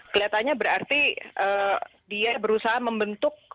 kelihatannya berarti dia berusaha membentuk